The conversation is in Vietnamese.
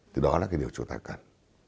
thì đó là điều chúng ta cần